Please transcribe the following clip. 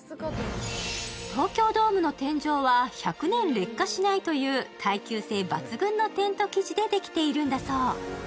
東京ドームの天井は、１００年劣化しないという耐久性抜群のテント生地でできているんだそう。